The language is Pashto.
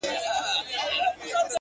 گراني شاعري دغه واوره ته،